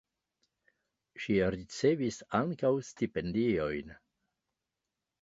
Ŝi ricevis ankaŭ stipendiojn.